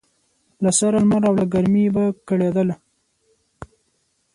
له سره لمر او له ګرمۍ به کړېدله